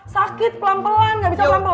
sakit pelan pelan gak bisa pelan pelan